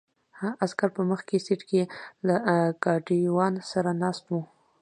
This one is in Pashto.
عسکر په مخکې سیټ کې له ګاډیوان سره ناست وو.